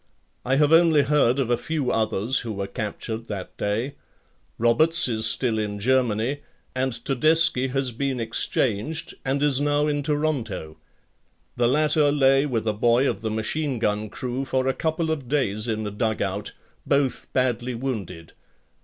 I have only heard of a few others who were captured that day. Roberts is still in Germany and Todeschi has been exchanged and is now in Toronto. The latter lay with a boy of the machine gun crew for a couple of days in a dug out, both badly wounded.